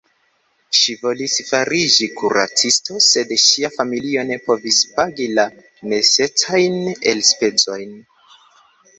Ŝi volis fariĝi kuracisto, sed ŝia familio ne povis pagi la necesajn elspezojn.